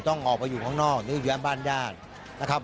ต้องออกมาอยู่ข้างนอกนึกแว้มบ้านญาตินะครับ